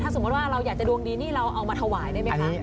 สมมุติว่าเราอยากจะดวงดีนี่เราเอามาถวายได้ไหมคะ